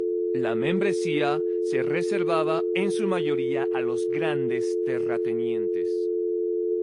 La membresía se reservaba en su mayoría a los grandes terratenientes.